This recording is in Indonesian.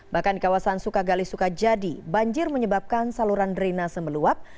bahkan di kawasan sukagali sukajadi banjir menyebabkan saluran drina semeluap